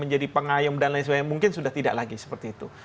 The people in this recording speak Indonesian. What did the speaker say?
menjadi pengayum dan lain sebagainya mungkin sudah tidak lagi seperti itu